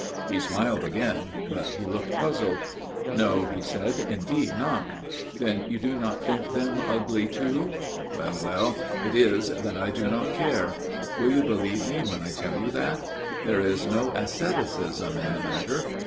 " He smiled again, but he looked puzzled. "* No, he said, * indeed not. Then you do think them ugly too ? Well, well. It is that I do not care. Will you believe me when I tell you that ? There is no asceticism in the matter.